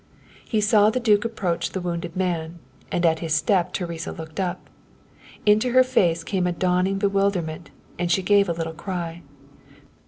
He saw the duke approach the wounded man, and at his step Teresa looked up. Into her face came a dawning bewilderment, and she gave a little cry.